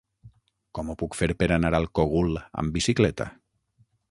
Com ho puc fer per anar al Cogul amb bicicleta?